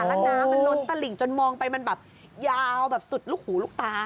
แล้วน้ำมันล้นตลิ่งจนมองไปมันแบบยาวแบบสุดลูกหูลูกตา